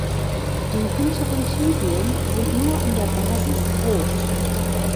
Die hinteren Tibien sind nur an der Basis rot.